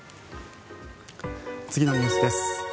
次のニュースです。